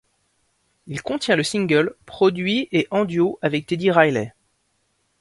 Il contient le single ' produit et en duo avec Teddy Riley.